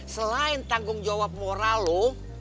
selain tanggung jawab moral loh